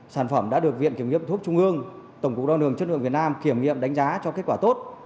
sản phẩm đã được viện kiểm nghiệm thuốc trung ương tổng cục đo lường chất lượng việt nam kiểm nghiệm đánh giá cho kết quả tốt